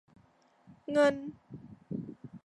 เงิน